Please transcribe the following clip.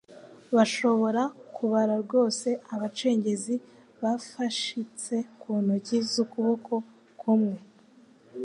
Bashoboraga kubara rwose abacengezi ba fashiste ku ntoki z'ukuboko kumwe